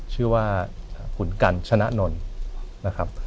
ชื่อว่าขุนกันชนะนนท์นะครับ